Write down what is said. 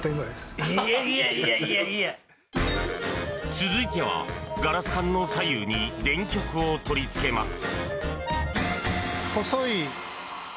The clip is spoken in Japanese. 続いては、ガラス管の左右に電極を取り付けます。